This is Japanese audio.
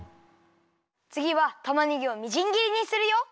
つぎはたまねぎをみじんぎりにするよ。